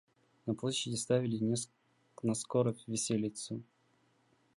На площади ставили наскоро виселицу.